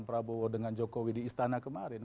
prabowo dengan jokowi di istana kemarin